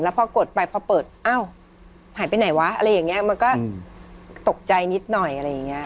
พอกดไปพอเปิดอ้าวหายไปไหนวะอะไรอย่างนี้มันก็ตกใจนิดหน่อยอะไรอย่างนี้